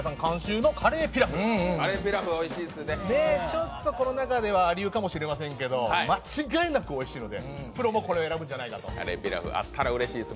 ちょっと、この中では亜流かもしれませんけど、間違いなくおいしいので、プロもこれを選ぶんじゃないかと。